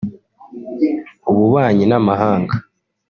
ububanyi n’amahanga